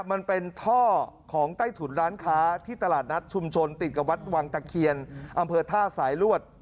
มันเป็นท่อของใต้ถุนร้านค้าที่ตลาดนัดชุมชนติดกับวัดวังตะเคียนอำเภอท่าสายลวด